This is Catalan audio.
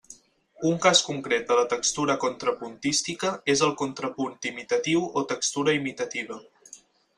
Un cas concret de la textura contrapuntística és el contrapunt imitatiu o textura imitativa.